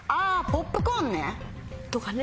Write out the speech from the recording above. ポップコーンね！とかね。